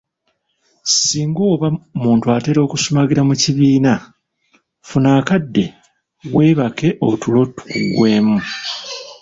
Singa oba muntu atera okusumagira mu kibiina, funa akadde weebake otulo tukuggweemu.